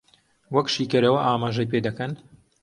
وەک شیکەرەوە ئاماژەی پێ دەکەن